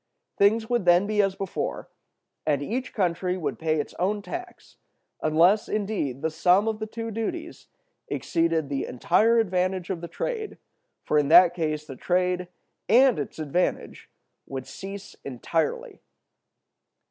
Things would then be as before, and each country would pay its own tax—unless, indeed, the sum of the two duties exceeded the entire advantage of the trade, for in that case the trade and its advantage would cease entirely.